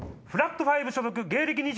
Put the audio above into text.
フラットファイヴ所属芸歴